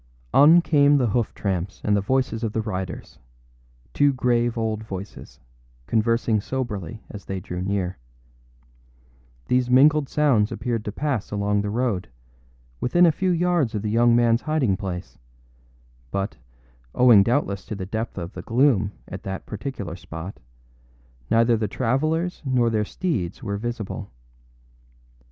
On came the hoof tramps and the voices of the riders, two grave old voices, conversing soberly as they drew near. These mingled sounds appeared to pass along the road, within a few yards of the young manâs hiding place; but, owing doubtless to the depth of the gloom at that particular spot, neither the travellers nor their steeds were visible.